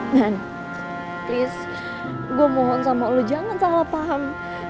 nan please gua mohon sama lu jangan salah paham